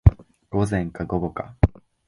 午前か午後か